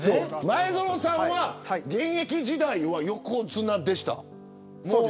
前園さんは現役時代は横綱でした。